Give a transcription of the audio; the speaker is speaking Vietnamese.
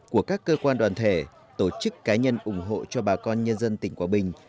của các cơ quan đoàn thể tổ chức cá nhân ủng hộ cho bà con nhân dân tỉnh quảng bình